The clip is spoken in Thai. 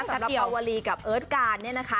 สำหรับปาวลีกับเอิร์ทการเนี่ยนะคะ